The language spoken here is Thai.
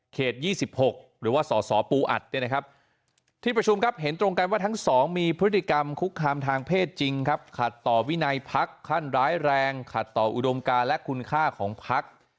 ๒๖หรือว่าสสปูอัดเนี่ยนะครับที่ประชุมครับเห็นตรงกันว่าทั้งสองมีพฤติกรรมคุกคามทางเพศจริงครับขัดต่อวินัยพักขั้นร้ายแรงขัดต่ออุดมการและคุณค่าของพัก